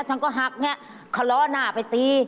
ฉันก็หักแงะเขาล้อหน้าไปตี